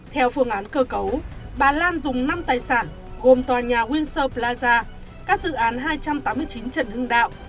theo phương án cơ cấu bà lan dùng năm tài sản gồm tòa nhà winser plaza các dự án hai trăm tám mươi chín trần hưng đạo